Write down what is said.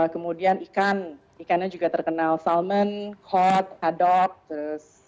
kemudian ikan ikannya juga terkenal salmon cod kadok terus